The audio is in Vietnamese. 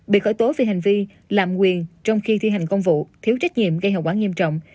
bị khởi tố về hành vi lạm quyền trong khi thi hành công vụ thiếu trách nhiệm gây hậu quả nghiêm trọng